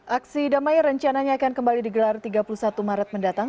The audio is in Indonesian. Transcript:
aksi damai rencananya akan kembali digelar tiga puluh satu maret mendatang